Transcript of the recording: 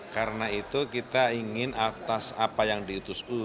karena itu kita ingin atas apa yang diutuskan